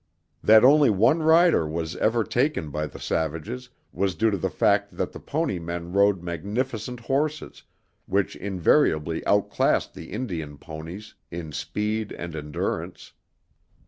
That only one rider was ever taken by the savages was due to the fact that the pony men rode magnificent horses which invariably outclassed the Indian ponies in speed and endurance.